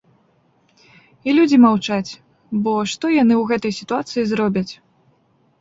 І людзі маўчаць, бо што яны ў гэтай сітуацыі зробяць.